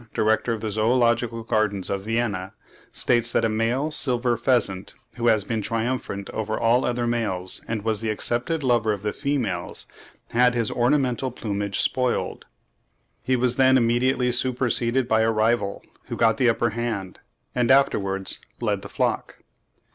director of the Zoological Gardens of Vienna, states that a male silver pheasant, who had been triumphant over all other males and was the accepted lover of the females, had his ornamental plumage spoiled. He was then immediately superseded by a rival, who got the upper hand and afterwards led the flock.